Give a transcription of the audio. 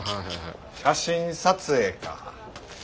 写真撮影か。